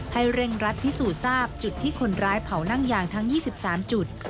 เร่งรัดพิสูจน์ทราบจุดที่คนร้ายเผานั่งยางทั้ง๒๓จุด